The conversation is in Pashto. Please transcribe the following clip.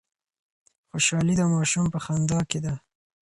خوشحالي د ماشوم په خندا کي ده.